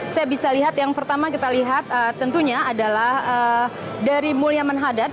saya bisa lihat yang pertama kita lihat tentunya adalah dari mulyaman hadad